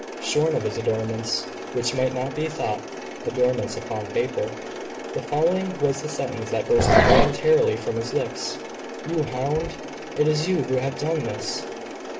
Shorn of his adornments which might not be thought adornments upon paper the following was the sentence that burst involuntarily from his lips, "You hound! It is you who have done this!"